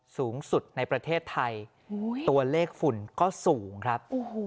สูงสุดในประเทศไทยตัวเลขฝุ่นก็สูงครับ